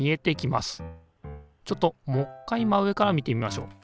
ちょっともっかい真上から見てみましょう。